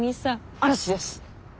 嵐です。